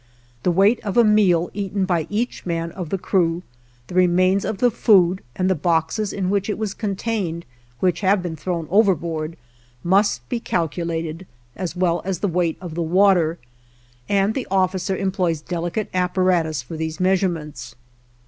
The weight of a meal eaten by each man of the crew, the remains of the food and the boxes in which it was contained, which have been thrown overboard, must be calculated as well as the weight of the water, and the officer employs delicate apparatus for these measurements.